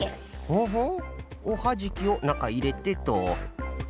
ふむふむおはじきをなかいれてと。